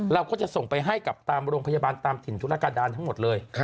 เราก็จะส่งไปให้กับตามโรงพยาบาลตามถิ่นธุรการดานทั้งหมดเลย